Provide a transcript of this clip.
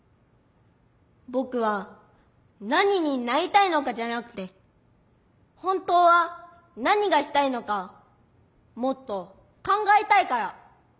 ぼくは何になりたいのかじゃなくて本当は何がしたいのかもっと考えたいから。